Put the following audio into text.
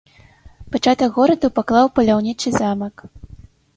Пачатак гораду паклаў паляўнічы замак.